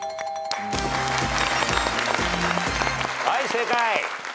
はい正解。